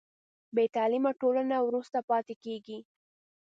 بې تعلیمه ټولنه وروسته پاتې کېږي.